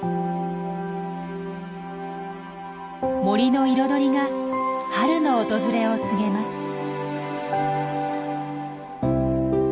森の彩りが春の訪れを告げます。